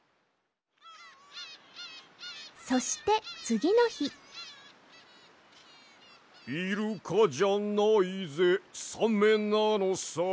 そしてつぎのひ「イルカじゃないぜさめなのさ」